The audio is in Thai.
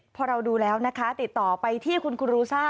พอเราดูแล้วนะคะติดต่อไปที่คุณกูรูซ่า